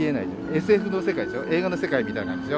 ＳＦの世界でしょ、映画の世界みたいなんですよ。